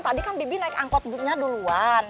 tadi kan bibi naik angkot dulu